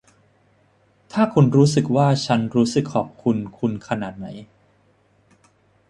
ถ้าคุณรู้ว่าฉันรู้สึกขอบคุณคุณขนาดไหน